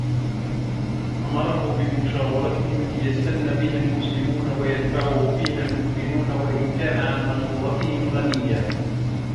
أَمَرَهُ بِمُشَاوَرَتِهِمْ لِيَسْتَنَّ بِهِ الْمُسْلِمُونَ وَيَتْبَعَهُ فِيهَا الْمُؤْمِنُونَ وَإِنْ كَانَ عَنْ مَشُورَتِهِمْ غَنِيًّا